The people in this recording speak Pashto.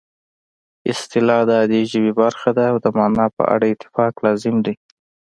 اصطلاح د عادي ژبې برخه ده او د مانا په اړه اتفاق لازم دی